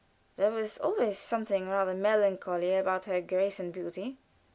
There was always something rather melancholy about her grace and beauty.